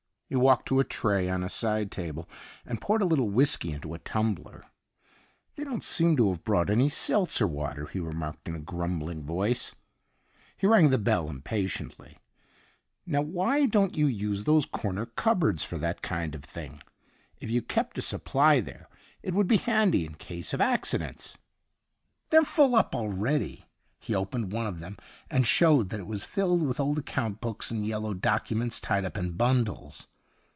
He walked to a tray on a side table and poured a little whisky into a tumbler. ' They don't seem to have brought any seltzer water,' he remarked in a grumbling voice. He rang the bell impatiently. ' Now why don't you use those 14.4. THE UNDYING THING corner cupboards for that kind of thing ? If you kept a supply there^ it would be handy in case of acci dents.' 'They're full up already.' He opened one of them and showed that it was filled with old account books and yellow docu ments tied up in bundles.